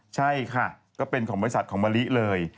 ใช่ค่ะก็เป็นของบริษัทของมะลิเลย